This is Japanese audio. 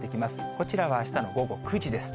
こちらはあしたの午後９時です。